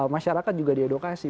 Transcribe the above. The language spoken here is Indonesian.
masyarakat juga diedokasi